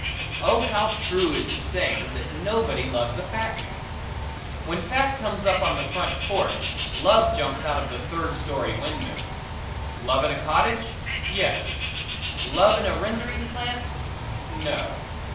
Oh how true is the saying that nobody loves a fat man! When fat comes up on the front porch love jumps out of the third story window. Love in a cottage? Yes. Love in a rendering plant? No.